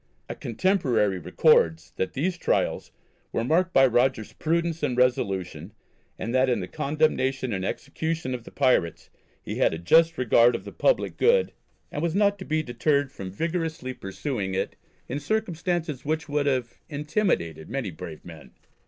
A contemporary records that these trials were marked by "Rogers's prudence and resolution, and that in the condemnation and execution of the pirates he had a just regard of the public good, and was not to be deterred from vigorously pursuing it in circumstances which would have intimidated many brave men."